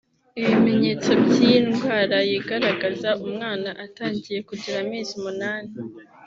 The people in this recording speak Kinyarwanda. Ibimenyetso by’iyi ndwara yigaragaza umwana atangiye kugira amezi umunani